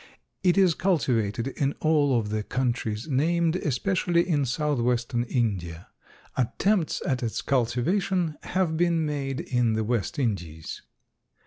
It is cultivated in all of the countries named, especially in southwestern India. Attempts at its cultivation have been made in the West Indies.